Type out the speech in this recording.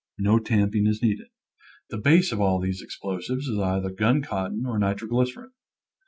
No tamping is needed. The base of all these explosives is either gun cotton or nitroglycerin.